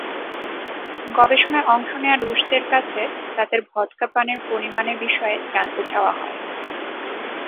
গবেষণায় অংশ নেওয়া রুশদের কাছে তাদের ভদকা পানের পরিমাণের বিষয়ে জানতে চাওয়া হয়।